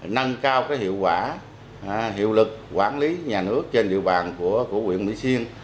nâng cao hiệu quả hiệu lực quản lý nhà nước trên địa bàn của quyện mỹ xuyên